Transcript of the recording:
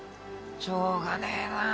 しょうがねぇなぁ。